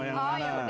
mau yang mana